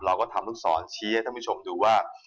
เราก็ทำลูกศรชี้ให้ท่านผู้ชมดูว่า